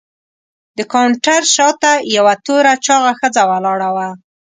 د کاونټر شاته یوه توره چاغه ښځه ولاړه وه.